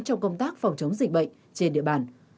trong công tác phòng chống dịch bệnh trên địa bàn